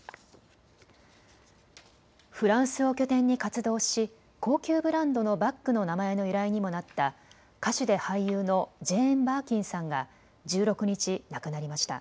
フランスを拠点に活動し高級ブランドのバッグの名前の由来にもなった歌手で俳優のジェーン・バーキンさんが１６日、亡くなりました。